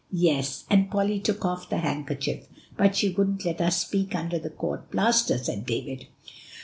"Yes, and Polly took off the handkerchief; but she wouldn't let us peek under the court plaster," said David.